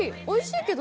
おいしい。